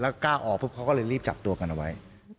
แล้วก้าวออกพบเขาก็เลยรีบจับตัวกันเอาไว้